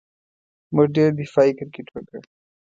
موږ ډېر دفاعي کرېکټ وکړ.